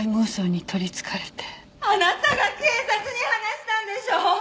あなたが警察に話したんでしょう？